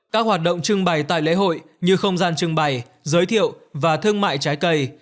các hoạt động trưng bày tại lễ hội như không gian trưng bày giới thiệu và thương mại trái cây